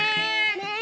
ねえ。